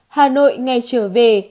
hà nội ngày trở về